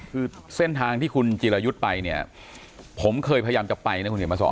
คือเส้นทางที่คุณจิรายุทธ์ไปเนี่ยผมเคยพยายามจะไปนะคุณเขียนมาสอน